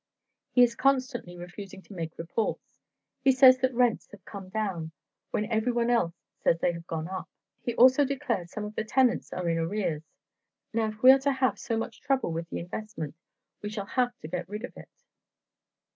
He is constantly refusing to make reports. Says that rents have come down, when everyone else says they have gone up. He also declares some of the tenants are in arrears. Now, if we are to have so much trouble with the investment, we shall have to get rid of it."